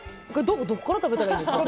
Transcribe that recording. どこから食べたらいいんですか？